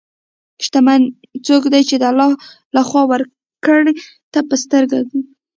شتمن څوک دی چې د الله له خوا ورکړې ته په سترګو ګوري.